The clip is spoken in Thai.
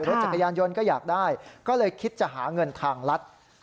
รถจักรยานยนต์ก็อยากได้ก็เลยคิดจะหาเงินทางรัฐ